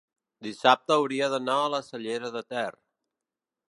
dissabte hauria d'anar a la Cellera de Ter.